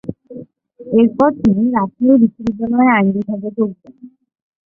এরপর তিনি রাজশাহী বিশ্ববিদ্যালয়ে আইন বিভাগে যোগ দেন।